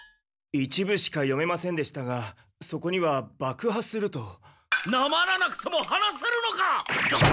一部しか読めませんでしたがそこには「ばくはする」と。なまらなくても話せるのか！